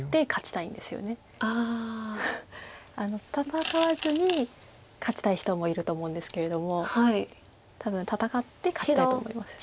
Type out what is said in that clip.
戦わずに勝ちたい人もいると思うんですけれども多分戦って勝ちたいと思います。